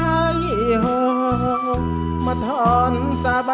ไม่ใช้ครับไม่ใช้ครับ